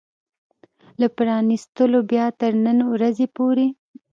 له پرانيستلو بيا تر نن ورځې پورې